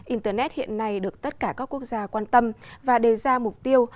internet hiện nay được tất cả các quốc gia quan tâm và đề ra mục tiêu